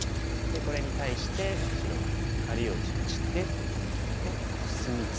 これに対して白はカカリを打ちましてでコスミツケ。